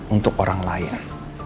untuk orang lain